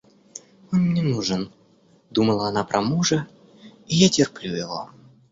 Он мне нужен, — думала она про мужа, — и я терплю его.